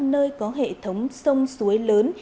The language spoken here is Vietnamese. nơi có hệ thống sông suối lớn